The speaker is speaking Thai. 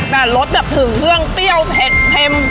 แต่รสแบบถึงเครื่องเปรี้ยวเผ็ดเค็ม